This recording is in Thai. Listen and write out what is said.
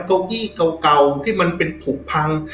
เก้าอี้เก่าที่มันเป็นผูกพัง